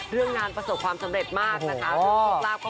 เรื่องงานประสบความสำเร็จมากนะคะ